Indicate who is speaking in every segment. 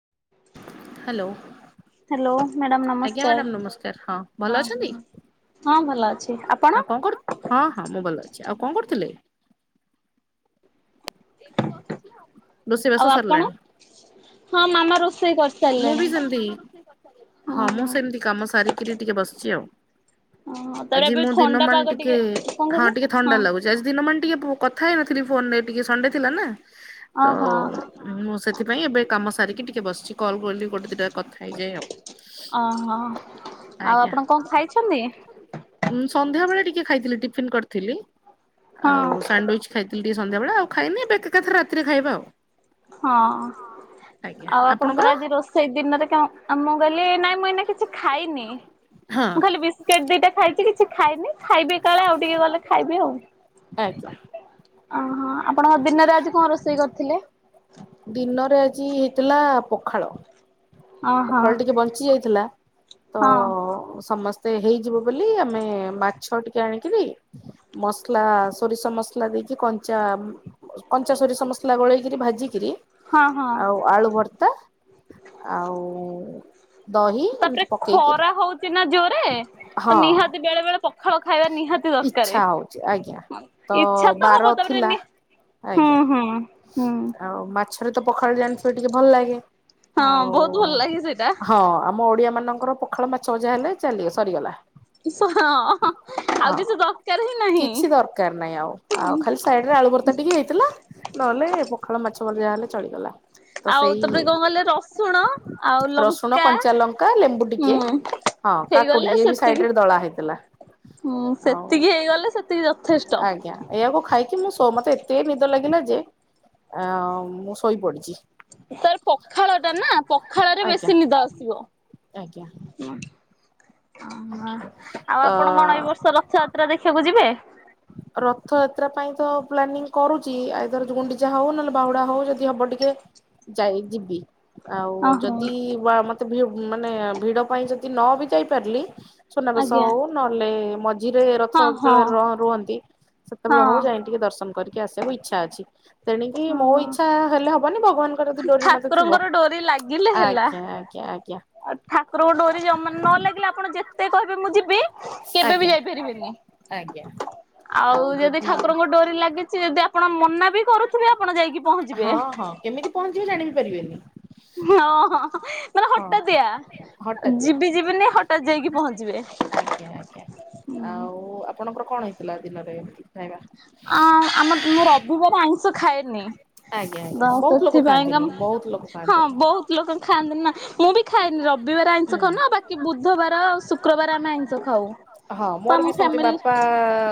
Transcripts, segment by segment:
Speaker 1: [unintelligible]
Speaker 2: Hello
Speaker 1: hello madam
Speaker 2: ଆଜ୍ଞା
Speaker 1: ନମସ୍କାର।
Speaker 2: Madam ନମସ୍କାର ହଁ ଭଲ ଅଛନ୍ତି
Speaker 1: ହଁ ଭଲ ଅଛି ଆପଣ?
Speaker 2: ଆଉ କଣ କରୁ ହଁ ହଁ ମୁଁ ଭଲ ଅଛି ଆଉ କଣ କରୁଥିଲେ? ଏଇଠ ବସିଚି ଆଉ ରୋଷେଇ ବାସ
Speaker 1: ଆଉ ଆପଣ?
Speaker 2: ସରିଲାଣି
Speaker 1: ହଁ ମାମା ରୋଷେଇ
Speaker 2: ମୁଁ ବି
Speaker 1: କରିସାରିଲେଣି।
Speaker 2: ସେମତି ହଁ ମୁଁ ସେମିତି କାମ ସାରିକି ଟିକେ ଟିକେ ବସିଚି ଆଉ
Speaker 1: ଓହୋ ତାପରେ
Speaker 2: ଆଜି
Speaker 1: ଏବେ
Speaker 2: ମୁଁ ଦିନ
Speaker 1: ଥଣ୍ଡା
Speaker 2: ମାନ
Speaker 1: ପାଗ
Speaker 2: ଟିକେ
Speaker 1: କଣ
Speaker 2: ହଁ
Speaker 1: କହିଲେ
Speaker 2: ଟିକେ ଥଣ୍ଡା ଲାଗୁଚି ଆଜି ଦିନ ମାନ ଟିକେ କଥା ହେଇନ ଥିଲି ଫୋନ ରେ ଟିକେ ସଣ୍ଡେ ଥିଲା ନା ତ
Speaker 1: ଓହୋ।
Speaker 2: ମୁଁ ସେଥିପାଇଁ ଏବେ କାମ ସାରିକି ଟିକେ ବସିଚି କଲ କ ଗୋଟେ ଦଟା କଥା ହେଇଯାଏ ଆଉ
Speaker 1: ଓହୋ ଆଉ
Speaker 2: ଆଜ୍ଞା
Speaker 1: ଆପଣ କଣ ଖାଇଛନ୍ତି?
Speaker 2: ସନ୍ଧ୍ୟା ବେଳେ ଟିକେ ଖାଇଥିଲି ଟିଫିନ କରିଥିଲି।
Speaker 1: ହଁ।
Speaker 2: ଆଉ ସ୍ୟାଣ୍ଡବିଚ ଖାଇଥିଲ। ଟ ସନ୍ାବେ ଆଉ। ଖାଇନି ଏବେ ଏକାଥ ରାତିରେ ଖାଇବା ଆଉ।
Speaker 1: ହଁ ଆଉ ଆପଣଙ୍କର ଆଜି ରୋଷେଇ ଦିନରେ ମୁଁ କହିଲି ନାଇଁ ମୁଁ ଏଇନା କିଛି ଖାଇନି
Speaker 2: ହଁ
Speaker 1: ମୁଁ ଖାଲି ବିସ୍କଟ ଦିଟା ଖାଇଛି କିଛି ଖାଇନି ଖାଇବି କାଳେ ଆଉ ଟିକେ ଗଲେ ଖାଇବି ଆଉ।
Speaker 2: ଆଜ୍ଞା।
Speaker 1: ଓହୋ। ଆପଣଙ୍କ ଦିନରେ ଆଜି କଣ ରୋଷେଇ କରିଥିଲେ।
Speaker 2: ଦିନରେ ଆଜି ହେଇଥିଲା ପ ଖଳ
Speaker 1: ଓହୋ
Speaker 2: ପୋଖଳ ଟିକେ ବଞ୍ଚି ଯାଇଥିଲା ତ
Speaker 1: ହଁ
Speaker 2: ସମସ୍ତେ ମତେ ହେଇଯିବ ବୋଲି ଆମେ ମାଛ ଟିକେ ଆଣିକରି ମସଲା ସୋରିଷ ମସଲା ଦେଇକି କଞ୍ଚା କଞ୍ଚା ସୋରିଷ ମସଲା ଗୋଳେଇକରି ଭାଜିିକରି
Speaker 1: ହଁ ହଁ
Speaker 2: ଆଉ ଆଳୁ ଭର୍ତ୍ତା ଆଉ ହୁଁ। ଦହି ଏମିତି
Speaker 1: ତାପରେ ଖରା ହଉଛି ନା ଜୋରେ
Speaker 2: ପକେଇକିରି
Speaker 1: ତ
Speaker 2: ହଁ
Speaker 1: ନିହାତି ବେଳେ ବେଳେ ପଖାଳ ଖାଇବା ନିହାତି ଦରକାରେ।
Speaker 2: ଇଚ୍ଛା ହଉଛି ଆଜ୍ଞା ତ
Speaker 1: ଇଚ୍ଛା ହବ
Speaker 2: ବାର
Speaker 1: ତାପରେ
Speaker 2: ଥିଲା
Speaker 1: ନି ହୁଁ
Speaker 2: ଆଜ୍ଞା
Speaker 1: ହୁଁ ହୁଁ
Speaker 2: ଆଉ ମାଛରେ ତ ପଖାଳ ଜାଣିଥିବେ ଟିକେ ଭଲ ଲାଗେ
Speaker 1: ହଁ
Speaker 2: ଆଉ।
Speaker 1: ବହୁତ ଭଲ ଲାଗେ ସେଇଟା
Speaker 2: ହଁ ଆମ ଓଡିଆ ମାନେ ଙ୍କର ପୋଖାଳ ମାଛ ମଜା ହେଲେ ଚାଲ ସରିଗଲା।
Speaker 1: ଆଉ
Speaker 2: ହଁ
Speaker 1: କିଛି ଦ ଦରକାର ହିଁ ନାହିଁ
Speaker 2: କିଛି ଦରକାର ନାହିଁ ଆଉ ଆଉ ଖାଲି ସାଇଡରେ ଆଳୁ ଭର୍ତ୍ତା ଟିକେ ହେଇଥିଲା ନହେଲେ ପଖାଳ ମାଛ ମରିଯା ହେଲେ ଚଳିଗଲା ତ
Speaker 1: ଆଉ
Speaker 2: ସେଇ
Speaker 1: ତାପରେ କଣ କହିଲେ ରସୁଣ ଆଉ
Speaker 2: ରସୁଣ
Speaker 1: ଲଙ୍କା
Speaker 2: କଞ୍ଚା ଲଙ୍କା ଲେମ୍ବୁ
Speaker 1: ହୁଁ
Speaker 2: ଟିକେ ହଁ
Speaker 1: ହେଇଗଲେ
Speaker 2: କାକୁଡି ବି
Speaker 1: ସେତିକି
Speaker 2: ସାଇଡ ରେ ଦଳା ହେଇ ଥିଲା।
Speaker 1: ହୁଁ ସେତିକି ହେଇଗଲେ ସେତିକି ଯଥେଷ୍ଟ
Speaker 2: ଆଜ୍ଞା ଏହାକୁ ଖାଇକି ମୁଁ ଶୋ ମତେ ଏତେ ନିଦ ଲାଗନା ଯେ ଆ ମୁଁ ଶୋଇପଡିଛି।
Speaker 1: ତାର ପଖାଳ ଟା ନା ପଖାଳ
Speaker 2: ଆଜ୍ଞା
Speaker 1: ବେଶୀ ନିଦ ଆସିବ।
Speaker 2: ଆଜ୍ଞା
Speaker 1: ଓହ ଆଉ
Speaker 2: ତ
Speaker 1: ଆପଣ କଣ ଏଇ ବର୍ଷ ରଥ ଯାତ୍ରା ଦେଖିବାକୁ ଯିବେ
Speaker 2: ରଥଯାତ୍ରା ପାଇଁ ତ ପ୍ଲାନିଂ କରୁଛି ଆ ଧର ଗୁଣ୍ଡିଚା ହଉ ନହେଲେ ବାହୁଡା ହଉ ଯଦି ହବ ଟିକେ ଯାଇ ଯିବି। ଆଉ
Speaker 1: ଓହୋ
Speaker 2: ଯଦି ମତେ ଭିଡ଼ ମାନେ ଭିଡ ପାଇଁ ଯଦି ନ ବି ଯାଇପାରିଲି। ଛୁନାବେେଶ
Speaker 1: ଆଜ୍ଞା
Speaker 2: ହଉ ନହେଲେ। ଝିରେ ରଥ
Speaker 1: ହଁ ହଁ
Speaker 2: ରୁହନ୍ତି। ସେତେବେଳେ ହଉ
Speaker 1: ହଁ
Speaker 2: ଯାଇଁ ଟିକେ ଦର୍ଶନ କରିବି। ଟିକେ ଆସିବାକୁ ଇଚ୍ଛା ଅଛି। ତେଣିକି ମୋ
Speaker 1: ଓହୋ।
Speaker 2: ଇଚ୍ଛା ହେଲେ ହବନି ଭଗବାନଙ୍କର ଯଦି ଡୋରି ମତେ ଥିବ
Speaker 1: ଠାକୁରଙ୍କର ଡୋରି ଲାଗିଲେ ହେଲା।
Speaker 2: ଆଜ୍ଞା ଆଜ୍ଞା ଆଜ୍ଞା।
Speaker 1: ଆଉ ଠାକୁରଙ୍କୁ ଡୋରି ଜମା ନ ଲାଗିଲେ ଆପଣ କେତେ କହିବେ ମୁଁ ଯିବି। କେବେ ବି
Speaker 2: ଆଜ୍ଞା
Speaker 1: ଯାଇପାରିବେନି
Speaker 2: ଆଜ୍ଞା
Speaker 1: ଆଉ ଯଦି ଠାକୁରଙ୍କ ଡୋରି ଲାଗିଛି ଯଦି ଆପଣ ମନା ବି କରୁଥିବେ ଆପଣ ଯାଇକି ପହଞ୍ଚିବେ।
Speaker 2: ହଁ ହଁ କେମିତି ପହଞ୍ଚିବେ ଜାଣି ବି ପାରିବେନି।
Speaker 1: ହଁ ମାନେ
Speaker 2: ହଁ
Speaker 1: ହଠାତ୍ ଏୟଆ
Speaker 2: ହଠାତିଆ
Speaker 1: ଯିବି ଯିବେିନି ହଠାତ୍ ଯାଇଁକି ପହଞ୍ଚିବେ।
Speaker 2: ଆଜ୍ଞା ଆଜ୍ଞା ଆଉ ଆପଣଙ୍କର କଣ ହେଇଥିଲା ଦିନରେ? ଖାଇବା?
Speaker 1: ଆଁ ଆମର ମୁଁ ରବିବାର ଆଇଁଷ ଖାଏ ନି।
Speaker 2: ଆଜ୍ଞା ଆଜ୍ଞା
Speaker 1: ତ
Speaker 2: ବହୁତ ଲୋକ
Speaker 1: ସେଥିପାଇଁ କା
Speaker 2: ଖାଆନ୍ତିନି
Speaker 1: ମୁଁ
Speaker 2: ବହୁତ ଲୋକ
Speaker 1: ହଁ
Speaker 2: ଖାଆନ୍ତିନି।
Speaker 1: ବହୁତ ଲୋକ ଖାଆନ୍ତି ନା। ମୁଁ ବି ଖାଏନି ରବ ରବିବାର ଆଇଁଷ
Speaker 2: ହୁଁ
Speaker 1: ଖାଅନି ବାକି ବୁଧବାର ଆ ଶୁକ୍ରବାର ଆମେ ଆଇଁଷ ଖାଉ।
Speaker 2: ହଁ
Speaker 1: ତ ଆମ
Speaker 2: ମୋର ବି ସେମିତି
Speaker 1: ଫ୍ୟାମିଲି
Speaker 2: ବାପା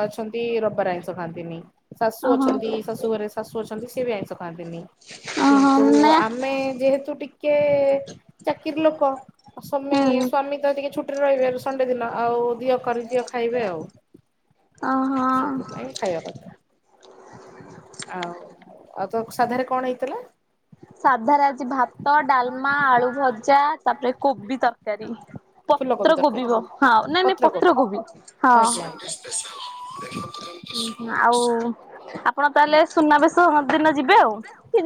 Speaker 2: ଅଛନ୍ତି ରବି ବାର ଆଇଁଷ ଖାଆନ୍ତିନି। ଶାଶୁ
Speaker 1: ଓହୋ
Speaker 2: ଅଛନ୍ତି ଶାଶୁ ଘରେ ଶାଶୁ ଅଛନ୍ତି ସେ ବି ଆଇଁଷ ଖାନ୍ତିନୀ
Speaker 1: ଓହୋ
Speaker 2: କିନ୍ତୁ
Speaker 1: ନା
Speaker 2: ଆମେ ଯେହେତୁ ଟିକେ ଚାକିରି ଲୋକ ସ୍ୱାମୀ
Speaker 1: ହୁଁ
Speaker 2: ସ୍ଵାମୀ ତ ଟିକେ ଛୁଟିରେ ରହିବେ ସଣ୍ଡେ ଦିନ ଆଉ ଧିଅ କରିଦିଅ ଖାଇବେ ଆଉ
Speaker 1: ଓହୋ।
Speaker 2: ସେଥିପାଇଁ ଖାଇବା କଥା ଆଉ। ଆଉ ତ ସାଧାରେ କଣ ହେଇଥିଲା?
Speaker 1: ସାଧାରେ ଆଜି ଭାତ ଡାଲମା ଆଳୁଭଜା ତାପରେ କୋବି ତରକାରୀ।
Speaker 2: ଫୁଲକୋବି
Speaker 1: ପତ୍ରକୋବି
Speaker 2: ତରକାରୀ
Speaker 1: ହଁ ନାଇଁ ନାଇଁ
Speaker 2: ପତ୍ରକୋବି
Speaker 1: ପତ୍ର କୋବି ହଁ।
Speaker 2: ଆଜ୍ଞା।
Speaker 1: ଉ ହ ଆଉ ଆପଣ ତାହେଲେ
Speaker 2: ଆଜ୍ଞା
Speaker 1: ସୁନାବେଶ ଦିନ ଯିବେ ଆଉ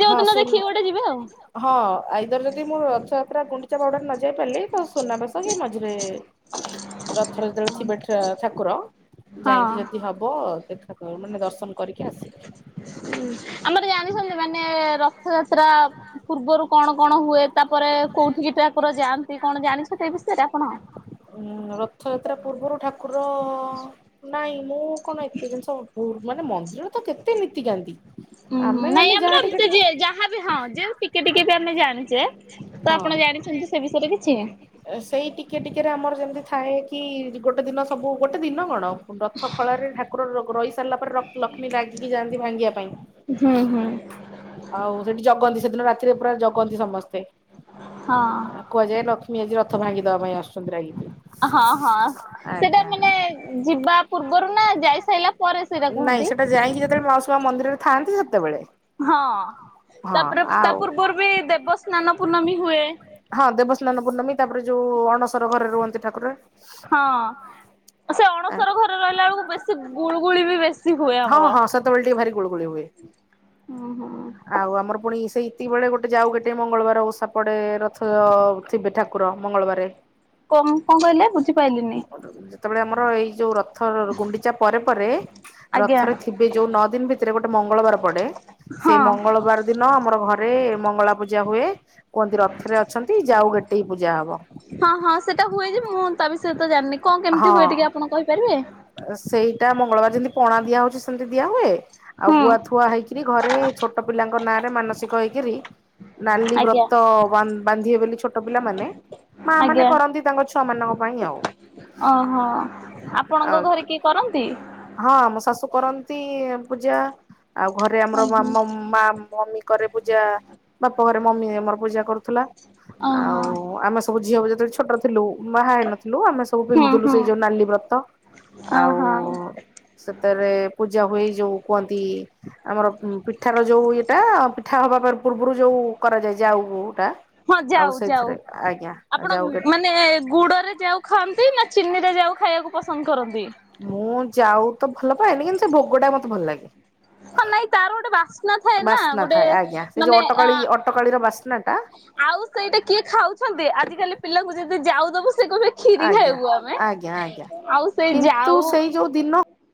Speaker 1: ଯୋଉ
Speaker 2: ହଁ
Speaker 1: ଦିନ
Speaker 2: ସୁନ୍
Speaker 1: ଦେଖିବେ ଗୋଟେ ଯିବେ ଆଉ।
Speaker 2: ହେରା ଗୁଣ୍ଡିଚା ବାହୁଡ଼ା ରେ ନ ଯାଇପାରିଲି। ହୋଉ ସୁନା ବେଶ ଏଇ ମଝିରେ ରଥରେ ଯେତେବେଳେ ଥିବେ ଠାକୁର ଯାଇକି
Speaker 1: ହଁ।
Speaker 2: ଯଦି ହବ ଦେଖା ମାନେ ଦର୍ଶନ କରିକି ଆଶି
Speaker 1: ଆମର ଜାଣିଛନ୍ତି ମାନେ ରଥଯାତ୍ରା ପୂର୍ବରୁ କଣ?
Speaker 2: କଣ କଣ ହୁଏ ତା ପରେ ଠାକୁର ଯାଆନ୍ତି କଣ ଜାଣିଛନ୍ତି କି? ହୁଁ ରଥଯାତ୍ରା ପୂର୍ବରୁ ଠାକୁର ନାଇଁ ମୁଁ କଣ ଏତେ ଜିନିଷ ମାନେ ମନ୍ଦିର ତ କେତେ ନୀତିକାନ୍ତି।
Speaker 1: ଉହୁ
Speaker 2: ଆମେ
Speaker 1: ନାଇଁ
Speaker 2: ଖାଲି
Speaker 1: ଆମର
Speaker 2: ଯାହା ଟିକେ
Speaker 1: ଏମତି
Speaker 2: ଟିକେ
Speaker 1: ଯିଏ ଯାହା ବି ହଁ ଯଉ ଟିକେ ଟିକେ ବି ଆପଣ ଆପଣ ଜାଣିଛେ ତ
Speaker 2: ହଁ
Speaker 1: ଆପଣ ଜାଣିଛନ୍ତି ସେ ବିଷୟରେ କିଛି
Speaker 2: ସେଇ ଟିକେ ଟିକେରେ ଆମର ଯେମିତି ଥାଏ କି ଗୋଟେ ଦିନ ସବୁ ଗୋଟେ ଦିନ କଣ ରଥ ଖଳାରେ ଠାକୁର ର ରହି ସାରିଲା ପରେ ଲକ୍ଷ୍ମୀ ଲାଗିକି ଯାଆନ୍ତି ଭାଙ୍ଗିବା ପାଇଁ
Speaker 1: ହୁଁ ହୁଁ।
Speaker 2: ଆଉ ସେଠି ଜଗନ୍ତି ସେଦିନ ରାତି ପୁରା ଜଗନ୍ତି ସମସ୍ତେ
Speaker 1: ହଁ
Speaker 2: କୁହାଯାଏ ଲକ୍ଷ୍ମୀ ମୀ ଆଜି ରଥ ଭାଙ୍ଗି ଦେବା ପାଇଁ ଆସ
Speaker 1: ହଁ ହଁ। ସେଇଟା ମାନେ ଯିବା ପୂର୍ବରୁ ନା ଯାଇ ସାରିଲା ପରେ ସେଇଟା
Speaker 2: ନାଇଁ
Speaker 1: କୁହନ୍ତି?
Speaker 2: ସେଟା ଯାଇକି ଯେତେବେଳେ ମାଉସୀ ମା ମନ୍ଦିରରେ ଥାନ୍ତି ସେତେ ସେତେବେଳେ
Speaker 1: ହଁ
Speaker 2: ହଁ
Speaker 1: ତାପରେ ତା
Speaker 2: ଆଉ
Speaker 1: ପୂର୍ବରୁ ବି ଦେବସ୍ନାନ ପୂର୍ଣ୍ଣମୀ ହୁଏ
Speaker 2: ହଁ ଦେବସ୍ନାନ ପୂର୍ଣ୍ଣମୀ ତାପରେ ଯୋଉ ଅଣସର ଘରେ ରୁହନ୍ତି ଠାକୁର।
Speaker 1: ହଁ ସେ ଅଣସର ଘରେ ରହିଲା ବେଳକୁ ବେଶୀ ଗୁଳୁଗୁଳି ବି ବେଶୀ ହୁଏ ଆମର।
Speaker 2: ଗ ହୁଏ
Speaker 1: ଉଁ ହୁଁ
Speaker 2: ଆଉ ଆମର ପୁଣି ସେଇଏତିକି ବେଳେ ଗୋଟେ ଆଉ ଗୋଟେ ମଙ୍ଗଳବାର ଓଷା ପଡ଼େ ରଥଅ ଥିବେ ଠାକୁର ମଙ୍ଗଳବାର
Speaker 1: କଣ କଣ କହିଲେ ବୁଝିପାଇଲିନି?
Speaker 2: ଯେତେବେଳେ ଆମର ଏଇ ଯୋଉ ରଥ ଗୁଣ୍ଡିଚା ପରେ ପରେ
Speaker 1: ଆଜ୍ଞା।
Speaker 2: ରଥରେ ଥିବେ ଯୋଉ ନଅଦିନ ଭିତରେ ଗୋଟେ ମଙ୍ଗଳବାର ପଡେ ସେଇ
Speaker 1: ହଁ
Speaker 2: ମଙ୍ଗଳବାର ଦିନ ଆମର ଘରେ ମଳା ପୂଜା ହୁଏ । କୁହନ୍ତି ରଥରେ ଅଛନ୍ତି ଯାଉ ଗେଟେଇ ପୂଜା ହବ।
Speaker 1: ହଁ ହଁ ସେଟା ହୁଏ ଯେ ମୁଁ ତା ବିଷୟରେ ତ ଜାଣିନି କଣ କେମିତି
Speaker 2: ହଁ
Speaker 1: ହୁଏ ଟିକେ ଆପଣ କହିପାରିବେ?
Speaker 2: ଅ, ସେଇଟା ମଙ୍ଗଳବାର ଯେମିତି ପଣା ଦିଆ ହଉଚି ସେମିତି ଦିଆ ହୁଏ । ଆଉ
Speaker 1: ହୁଁ।
Speaker 2: ଗୁଆ ଥୁଆ ହେଇଚି ରି ଘରେ ଛୋଟ ପିଲାଙ୍କ ନାଁ ରେ ମାନସିକ ହେଇକିରି ନାଲି
Speaker 1: ଆଜ୍ଞା
Speaker 2: ବ୍ରତ ବା ବାନ୍ଧିବେ ବୋଲି ଛୋଟ ଟ ପିଲାମାନେ ମା ମାନେ
Speaker 1: ଆଜ୍ଞା
Speaker 2: କରନ୍ତି ତାଙ୍କ ଛୁ ଛୁଆମାନଙ୍କ ପାଇଁ ଆଉ।
Speaker 1: ଓହୋ! ଆପଣଙ୍କ
Speaker 2: ଆଉ
Speaker 1: ଘରେ କିଏ କରନ୍ତି?
Speaker 2: ହଁ ମୋ ଶାଶୁ କରନ୍ତି ପୂଜା। ଆଉ ଘରେ ଆମର
Speaker 1: ଓହୋ
Speaker 2: ମାମ ମା ମମି କରେ ପୂଜା। ବାପଘରେ ମମି ଆମର ପୂଜା କରୁଥିଲା।
Speaker 1: ଓହୋ
Speaker 2: ଆଉ ଆମେ ସବୁ ଝିଅ ଯେତେବେଳେ ଛୋଟ ଥିଲୁ ବାହା ହେଇ ନଥିଲୁ। ଆମେ ସବୁ
Speaker 1: ହୁଁ
Speaker 2: ପିନ୍ଧୁଥିଲୁ
Speaker 1: ହୁଁ
Speaker 2: ସେଇ ଯୋଉ ନାଲି ବ୍ରତ। ଆଉ
Speaker 1: ଓହୋ
Speaker 2: ସେତେରେ ପୂଜା ହୁଏ ଯୋଉ କୁହନ୍ତି ଆମର ଉଁ, ପିଠାର ଯୋଉ ଇଏଟା ପି ଠା ହେବା ଫେର୍ ପୁର୍ ପୁରୁ ଯୋଉ କରାଯାଏ ଯାଉଟା।
Speaker 1: ହଁ
Speaker 2: ଆଉ
Speaker 1: ଜାଉ ଜାଉ
Speaker 2: ସେଇଥିରେ ଆଜ୍ଞା
Speaker 1: ଆପଣ
Speaker 2: ଯାଉ
Speaker 1: ମାନେ ଗୁଡରେ ଜାଉ ଖାଆନ୍ତି? ନା ଚିନି ରେ ଜାଉ ଖାଇବାକୁ ପସନ୍ଦ କରନ୍ତି?
Speaker 2: ମୁଁ ଜାଉ ତ ଭଲ ପାଏନି। କିନ୍ତୁ ସେ ଭୋଗ ଟା ମୋତେ ଭଲ ଲାଗେ।
Speaker 1: ହ ନାଇଁ ତାର ଗୋଟେ ବାସ୍ନା ଥାଏ ନା
Speaker 2: ବାସ୍ନା
Speaker 1: ।ଗୋଟେ
Speaker 2: ଥାଏ ଆଜ୍ଞା ସେ ଯୋଉ
Speaker 1: ମାନେ ଏ ଆ,
Speaker 2: ଅଟକାଳି ଅଟକାଳିର ବାସ୍ନା ଟା
Speaker 1: ଆଉ ସେଇଟା କିଏ ଖାଉଛନ୍ତି ଆଜିକାଲି ପିଲାଙ୍କୁ ଯଦି ଜାଉ ସେ କହିବେ କ୍ଷୀରି
Speaker 2: ଆଜ୍ଞା
Speaker 1: ଖାଇବୁ ଆମେ।
Speaker 2: ଆଜ୍ଞା ଆଜ୍ଞା।
Speaker 1: ଆଉ ସେ
Speaker 2: କିନ୍ତୁ
Speaker 1: ଜାଉ
Speaker 2: ସେଇ ଯୋଉ ଦିନ